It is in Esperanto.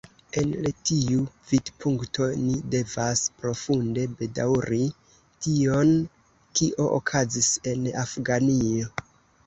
El tiu vidpunkto ni devas profunde bedaŭri tion, kio okazis en Afganio.